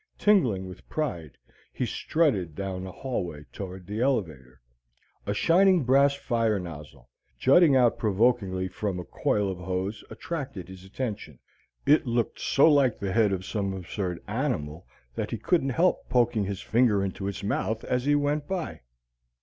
Tingling with pride, he strutted down the hallway toward the elevator. A shining brass fire nozzle, jutting out provokingly from a coil of hose, attracted his attention. It looked so like the head of some absurd animal that he couldn't help poking his finger into its mouth as he went by.